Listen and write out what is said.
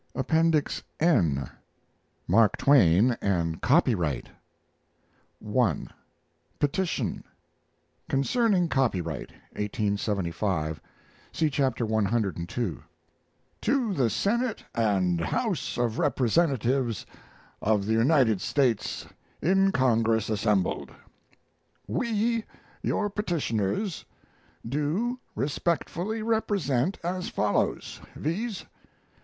APPENDIX N MARK TWAIN AND COPYRIGHT I. PETITION Concerning Copyright (1875) (See Chapter cii) TO THE SENATE AND HOUSE OF REPRESENTATIVES OF THE UNITED STATES IN CONGRESS ASSEMBLED. We, your petitioners, do respectfully represent as follows, viz.